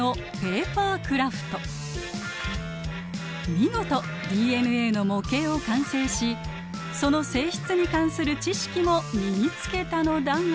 見事ＤＮＡの模型を完成しその性質に関する知識も身につけたのだが。